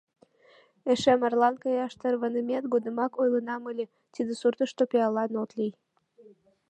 — Эше марлан каяш тарванымет годымак ойленам ыле: тиде суртышто пиалан от лий...